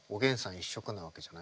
一色なわけじゃない？